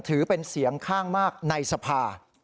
ถือเป็นเสียงข้างมากในสภา